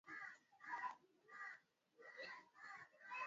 Iran nchi kubwa zaidi ya waislamu wa madhehebu ya shia duniani